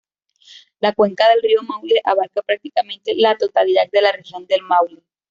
La cuenca del río Maule abarca prácticamente la totalidad de la Región del Maule.